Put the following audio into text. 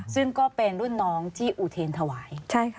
ซึ่งก็เป็นรุ่นน้องที่อุเทนถวาย